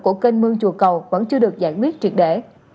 của kênh mương chùa cầu vẫn chưa được giải quyết triệt để